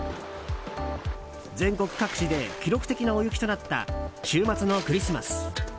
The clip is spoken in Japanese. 全国各地で記録的な大雪となった週末のクリスマス。